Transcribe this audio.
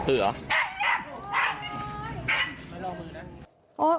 ตื๋อเหรอ